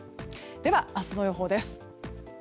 では、明日の予報です。